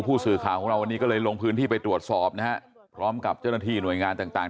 ผู้สื่อข่าวของเราวันนี้ก็เลยลงพื้นที่ไปตรวจสอบนะฮะพร้อมกับเจ้าหน้าที่หน่วยงานต่าง